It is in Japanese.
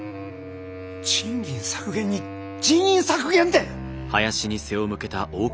賃金削減に人員削減って！